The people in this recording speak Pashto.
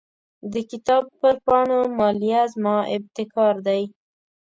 د کتاب پر پاڼو مالیه زما ابتکار دی.